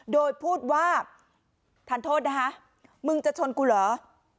โดยพูดว่าทานโทษนะคะมึงจะชนกูเหรอ